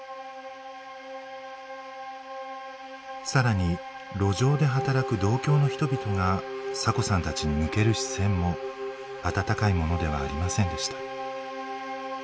さらに路上で働く同郷の人々がサコさんたちに向ける視線も温かいものではありませんでした。